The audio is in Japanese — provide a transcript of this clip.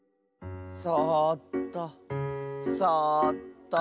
そっとそっと。